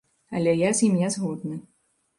Але я з ім не згодны.